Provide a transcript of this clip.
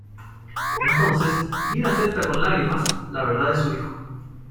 Entonces, Lynn acepta con lágrimas, la verdad de su hijo.